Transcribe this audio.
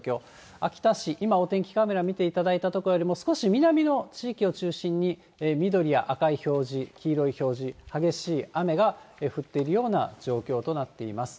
秋田市、今お天気カメラ見ていただいた所よりも少し南の地域を中心に緑や赤い表示、黄色い表示、激しい雨が降っているような状況となっています。